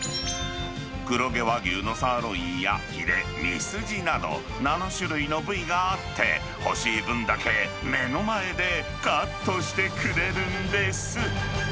黒毛和牛のサーロインやヒレ、ミスジなど、７種類の部位があって、欲しい分だけ目の前でカットしてくれるんです。